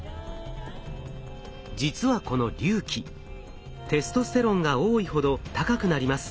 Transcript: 実はこの隆起テストステロンが多いほど高くなります。